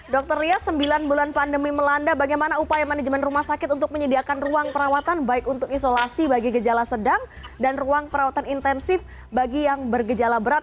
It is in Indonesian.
dokter lia sembilan bulan pandemi melanda bagaimana upaya manajemen rumah sakit untuk menyediakan ruang perawatan baik untuk isolasi bagi gejala sedang dan ruang perawatan intensif bagi yang bergejala berat